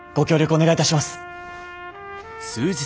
お願いいたします。